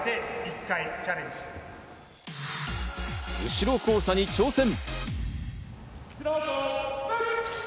後ろ交差に挑戦。